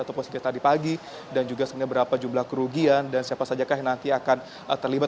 ataupun sejak tadi pagi dan juga sebenarnya berapa jumlah kerugian dan siapa saja yang nanti akan terlibat